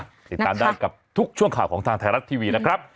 ติดตามได้กับทุกช่วงข่าวของทางไทยรัฐทีวีนะครับ